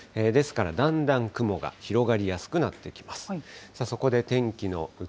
ですから、だんだん雲が広がりやすくなってきます。